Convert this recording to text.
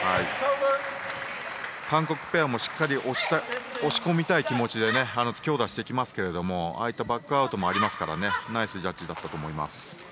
韓国ペアもしっかり押し込みたい気持ちで強打してきますけどああいったバックアウトもありますからナイスジャッジだったと思います。